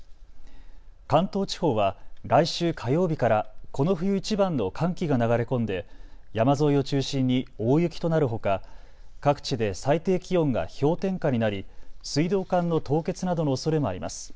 関東地方は来週火曜日からこの冬いちばんの寒気が流れ込んで山沿いを中心に大雪となるほか各地で最低気温が氷点下になり水道管の凍結などのおそれもあります。